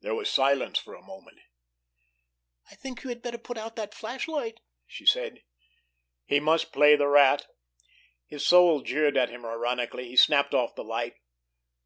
There was silence for a moment. "I think you had better put out that flashlight," she said. He must play the Rat. His soul jeered at him ironically. He snapped off the light.